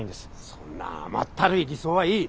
そんな甘ったるい理想はいい！